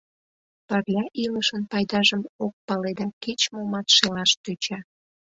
Пырля илышын пайдажым ок пале да кеч-момат шелаш тӧча.